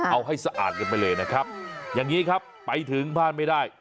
เอาให้สะอาดกันไปเลยนะครับอย่างนี้ครับไปถึงบ้านไม่ได้